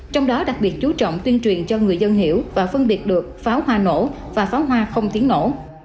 trong đó đặc biệt chú trọng tuyên truyền cho người dân hiểu và phân biệt được pháo hoa nổ và pháo hoa không tiếng nổ